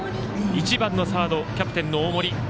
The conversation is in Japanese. １番のサード、キャプテンの大森。